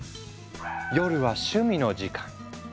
夜は趣味の時間。